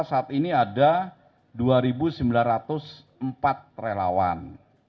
saat ini ada dua sembilan ratus empat relawan